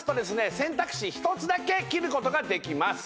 選択肢１つだけ斬ることができます